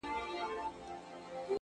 هغه به اور له خپلو سترګو پرېولي ـ